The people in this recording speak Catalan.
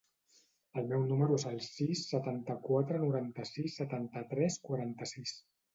El meu número es el sis, setanta-quatre, noranta-sis, setanta-tres, quaranta-sis.